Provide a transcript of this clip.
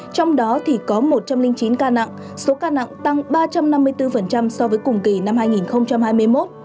trong đó thì có một trăm linh chín ca nặng số ca nặng tăng ba trăm năm mươi bốn so với cùng kỳ năm hai nghìn hai mươi một